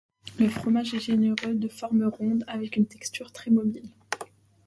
Le fromage est généralement de forme ronde avec une texture très molle.